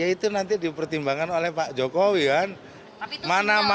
ya itu nanti dipertimbangkan oleh pak jokowi kan